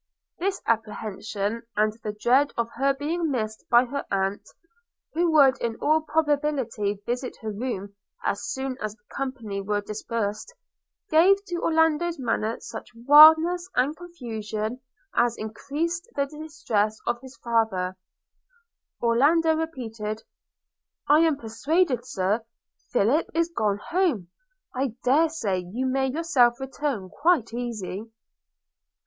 This apprehension, and the dread of her being missed by her aunt, who would in all probability visit her room as soon as the company were dispersed, gave to Orlando's manner such wildness and confusion as increased the distress of his father; Orlando repeated, 'I am persuaded, Sir, Philip is gone home – I dare say you may yourself return quite easy.'